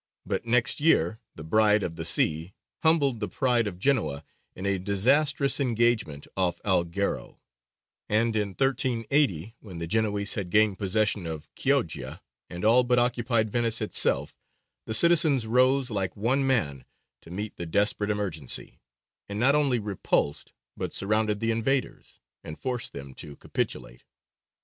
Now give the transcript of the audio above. But next year the Bride of the Sea humbled the pride of Genoa in a disastrous engagement off Alghero; and in 1380, when the Genoese had gained possession of Chioggia and all but occupied Venice itself, the citizens rose like one man to meet the desperate emergency, and not only repulsed, but surrounded the invaders, and forced them to capitulate.